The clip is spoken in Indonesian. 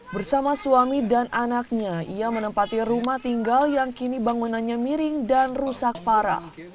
bersama suami dan anaknya ia menempati rumah tinggal yang kini bangunannya miring dan rusak parah